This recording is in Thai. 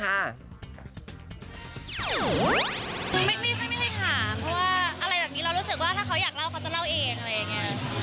ไม่ค่อยไม่ได้ถามเพราะว่าอะไรแบบนี้เรารู้สึกว่าถ้าเขาอยากเล่าเขาจะเล่าเองอะไรอย่างนี้